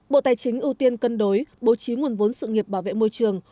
bộ tài chính ưu tiên cân đối bố trí nguồn vốn sự nghiệp bảo vệ môi trường